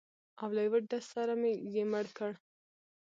او له یوه ډزه سره یې مړ کړ.